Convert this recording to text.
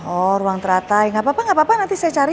oh ruang teratai gak apa apa nanti saya cari